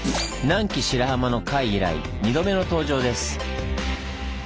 南紀白浜の回以来２度目の登場です。